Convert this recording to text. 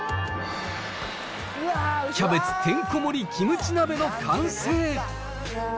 キャベツてんこ盛りキムチ鍋の完成。